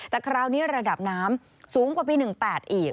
แต่คราวนี้ระดับน้ำสูงกว่าปี๑๘อีก